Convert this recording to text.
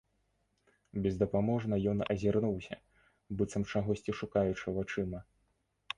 Бездапаможна ён азірнуўся, быццам чагосьці шукаючы вачыма.